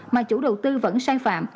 mà chủ đầu tư vẫn sai phạm